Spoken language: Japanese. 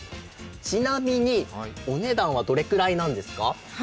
ちなみにお値段はどれぐらいなんですか？